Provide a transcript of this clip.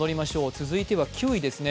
続いては９位ですね。